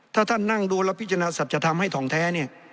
ถ้าท่านนั่งดูแล้วพิจารณาสัตว์จะทำให้ทองแท้เนี่ย